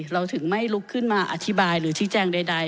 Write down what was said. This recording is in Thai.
เราถึงไม่ลุกขึ้นมาอธิบายหรือชี้แจงใด